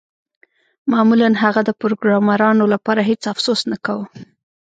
معمولاً هغه د پروګرامرانو لپاره هیڅ افسوس نه کاوه